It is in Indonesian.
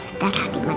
mau tempel dimana